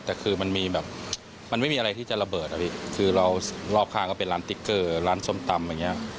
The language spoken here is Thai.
แต่คือมันไม่มีอะไรที่จะระเบิดครับพี่คือรอบข้างก็เป็นร้านติ๊กเกอร์ร้านส้มตำ